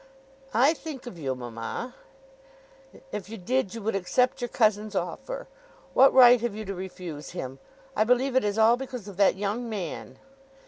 "I think of you, mamma." "If you did you would accept your cousin's offer. What right have you to refuse him? I believe it is all because of that young man."